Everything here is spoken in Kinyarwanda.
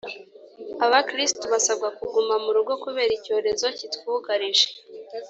abakristu basabwa kuguma mu rugo kubere icyorezo kitwugarije